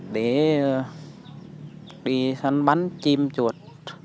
để đi săn bắn chim chuột